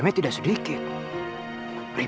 memanjang sampai kesana